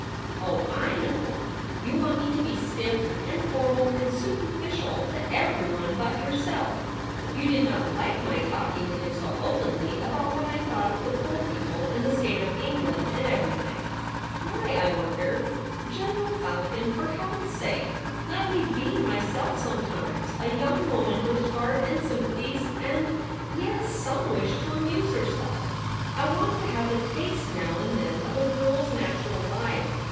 ' Oh, I know ! You want me to be stiff and formal and superficial to everyone but yourself. You did not like my talking to him so openly about what I thought of the poor people and the state of England — and everything. Why, I wonder ? General Fal [66 THE REBEL ROSE. con, for Heaven's sake let me be myself sometimes — a young woman with heart and sympathies and — yes — some wish to amuse herself I want to have a taste now and then of a girl's natural life.